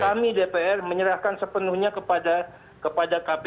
kami dpr menyerahkan sepenuhnya kepada kepada kpk